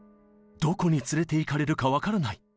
「どこに連れていかれるか分からない」